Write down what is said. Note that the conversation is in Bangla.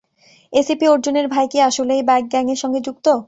এসিপি অর্জুনের ভাই কি, আসলেই বাইক গ্যাংয়ের সঙ্গে যুক্ত?